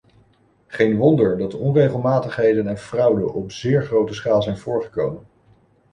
Geen wonder dat onregelmatigheden en fraude op zeer grote schaal zijn voorgekomen.